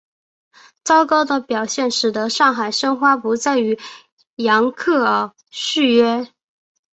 糟糕的表现使得上海申花不再与扬克尔续约。